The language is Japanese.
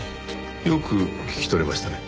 よく聞き取れましたね。